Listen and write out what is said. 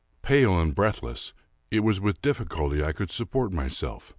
Pale and breathless, it was with difficulty I could support myself.